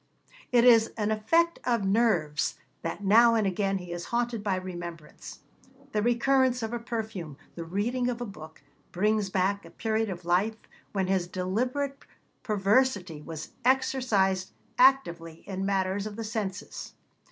It is an effect of nerves that now and again he is haunted by remembrance; the recurrence of a perfume, the reading of a book, brings back a period of life when his deliberate perversity was exercised actively in matters of the senses.